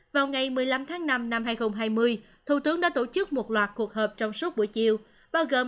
vào ngày một mươi năm tháng năm năm hai nghìn hai mươi thủ tướng đã tổ chức một loạt cuộc họp trong suốt buổi chiều bao gồm